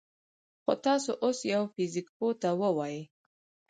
خو تاسو اوس يوه فزيك پوه ته ووايئ: